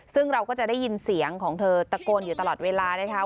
ซึ่งเราก็จะได้ยินเสียงของเธอตะโกนอยู่ตลอดเวลานะคะ